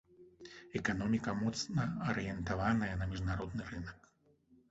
Эканоміка моцна арыентаваная на міжнародны рынак.